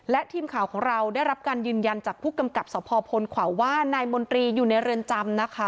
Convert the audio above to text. และทีมข่าวของเราได้รับการยืนยันจากผู้กำกับสภพลขวาว่านายมนตรีอยู่ในเรือนจำนะคะ